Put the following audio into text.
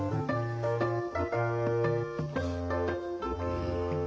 うん。